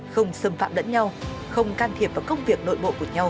không xâm phạm đẫn nhau không can thiệp vào công việc nội bộ